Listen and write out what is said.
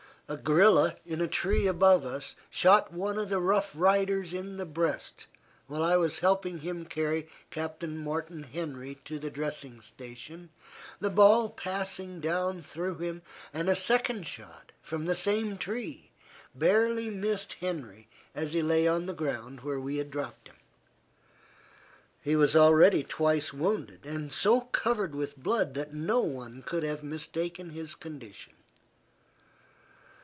A guerilla in a tree above us shot one of the Rough Riders in the breast while I was helping him carry Captain Morton Henry to the dressing station, the ball passing down through him, and a second shot, from the same tree, barely missed Henry as he lay on the ground where we had dropped him. He was already twice wounded and so covered with blood that no one could have mistaken his condition.